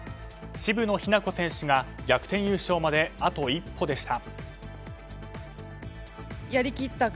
渋野日向子選手が逆転優勝まであと一歩でした。